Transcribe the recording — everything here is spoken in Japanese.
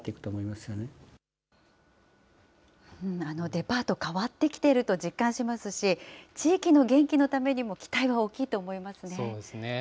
デパート、変わってきていると実感しますし、地域の元気のためにも期待は大きいと思いますね。